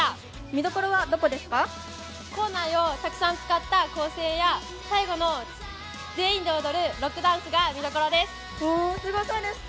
見どころは校内をたくさん使った構成や、最後に全員で踊るロックダンスが見どころです。